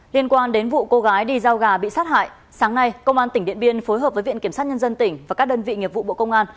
liên quan đến vụ cô gái đi giao gà bị sát hại sáng nay công an tỉnh điện biên phối hợp với viện kiểm sát nhân dân tỉnh và các đơn vị nghiệp vụ bộ công an